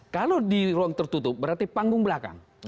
kalau di ruang tertutup berarti panggung belakang